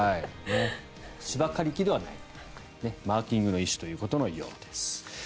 芝刈り機ではないマーキングの一種ということです。